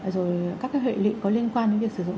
rồi các hệ lị có liên quan đến việc sử dụng